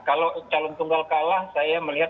kalau calon tunggal kalah saya melihat